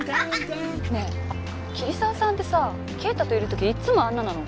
ねえ桐沢さんってさ圭太といる時いつもあんななの？